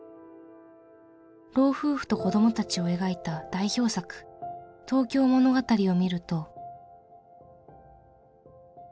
老夫婦と子供たちを描いた代表作「東京物語」を見ると。